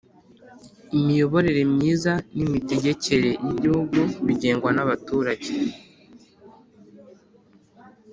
imiyoborere myiza n imitegekere y’ Igihugu bigenwa n’abaturage